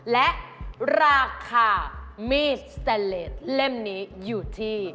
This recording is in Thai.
และราคามีดสแตนเลสเล่มนี้อยู่ที่